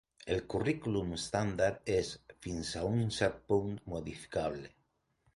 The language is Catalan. El currículum estàndard és, fins a un cert punt, modificable.